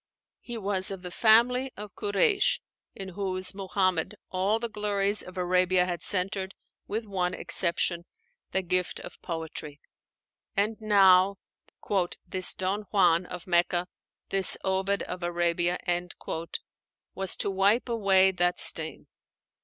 He was of the family of Kureísh, in whose Muhammad all the glories of Arabia had centred, with one exception, the gift of poetry. And now "this Don Juan of Mecca, this Ovid of Arabia," was to wipe away that stain.